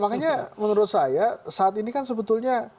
makanya menurut saya saat ini kan sebetulnya